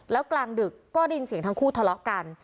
แล้วกลางดึกก็ได้ยินเสียงทั้งคู่ทะเลาะกัน